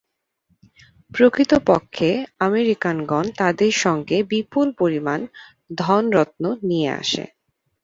প্রকৃতপক্ষে আমেরিকানগণ তাদের সঙ্গে বিপুল পরিমাণ ধন রত্ন নিয়ে আসে।